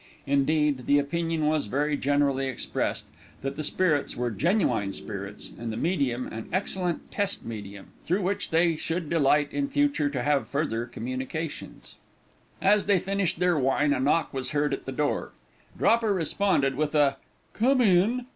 Indeed, the opinion was very generally expressed, that the spirits were genuine spirits, and the medium an excellent test medium, through which they should delight, in future, to have further communications. As they finished their wine a knock was heard at the door. Dropper responded with a "Come in."